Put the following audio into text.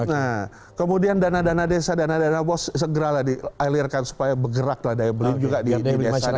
nah kemudian dana dana desa dana dana bos segeralah di alirkan supaya bergeraklah daya beli juga di desa dan di masyarakat daerah